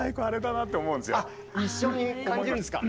あっ一緒に感じるんですか？